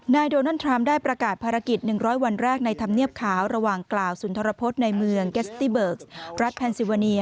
โดนัลดทรัมป์ได้ประกาศภารกิจ๑๐๐วันแรกในธรรมเนียบขาวระหว่างกล่าวสุนทรพฤษในเมืองเกสตี้เบิร์กรัฐแพนซิวาเนีย